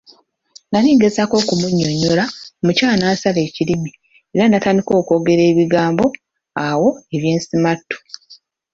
Nali ngezaako okumunnyonnyola, omukyala n'ansala ekirimi era n'atandika okwogera ebigambo awo eby'ensumattu.